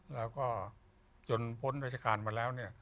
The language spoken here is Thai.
แล้วก็จนพลตรรยาการมาแล้ว